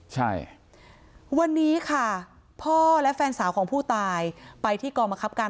ใช่วันนี้ค่ะพ่อและแฟนสาวของผู้ตายไปที่กองบังคับการ